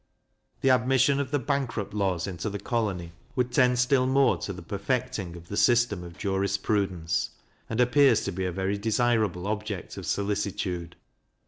The admission of the bankrupt laws into the colony would tend still more to the perfecting of the system of jurisprudence, and appears to be a very desirable object of solicitude.